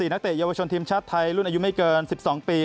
นักเตะเยาวชนทีมชาติไทยรุ่นอายุไม่เกิน๑๒ปี